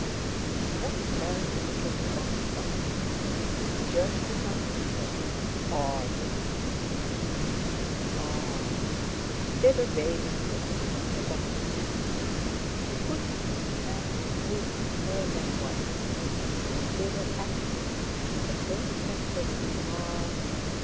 His head fell a little to one side; he jerked it up and thought: Odd! He—ah! They were waving to him from the bottom! He put up his hand, and moved it more than once. They were active—the prospect was remar....